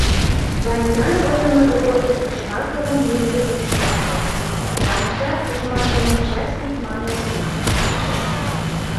Ванькан ойлымыж годым Жмаковын лӱмжӧ ыш шокто, Ванька Жмаковым частник манме шомакыш пуртыш.